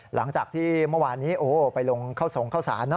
หลังจากที่เมื่อวานนี้ไปลงเข้าสงเข้าสารเนอ